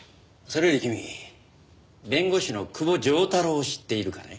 それより君弁護士の久保丈太郎を知っているかね？